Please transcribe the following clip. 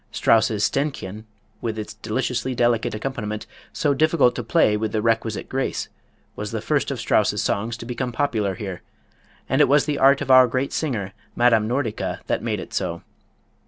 Strauss's "Ständchen," with its deliciously delicate accompaniment, so difficult to play with the requisite grace, was the first of Strauss's songs to become popular here, and it was the art of our great singer, Madame Nordica, that made it so.